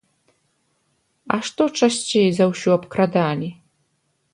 А што часцей за ўсё абкрадалі?